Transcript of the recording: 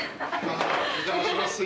お邪魔します